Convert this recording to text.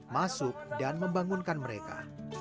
masuk dan membangunkan mereka